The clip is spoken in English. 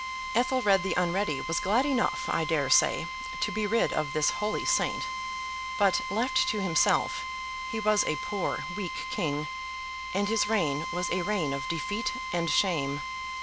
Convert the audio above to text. Ethelred the Unready was glad enough, I dare say, to be rid of this holy saint; but, left to himself, he was a poor weak king, and his reign was a reign of defeat and shame.